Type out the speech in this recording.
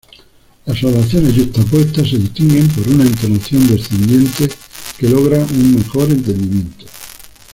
Las oraciones yuxtapuestas se distinguen por una entonación descendente que logra un mejor entendimiento.